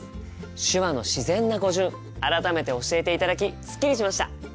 手話の自然な語順改めて教えていただきすっきりしました！